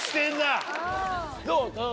どう？